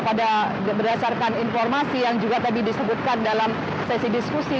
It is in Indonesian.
pada berdasarkan informasi yang juga tadi disebutkan dalam sesi diskusi